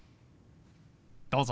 どうぞ。